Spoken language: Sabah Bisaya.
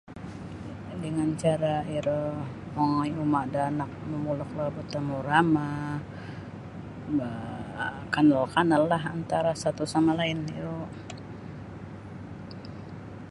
Dengan cara iro mongoi uma' da anak momulok ro betemu ramah baakanal- kanallah antara satu' sama lain iro.